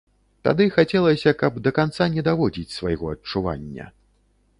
Тады хацелася, каб да канца не даводзіць свайго адчування.